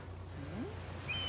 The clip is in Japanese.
うん？